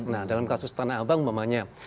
nah dalam kasus tanah abang umpamanya